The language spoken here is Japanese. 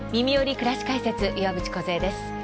くらし解説」岩渕梢です。